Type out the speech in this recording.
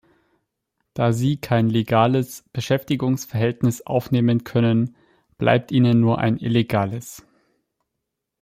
Da sie kein legales Beschäftigungsverhältnis aufnehmen können, bleibt ihnen nur ein illegales.